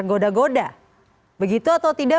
goda goda begitu atau tidak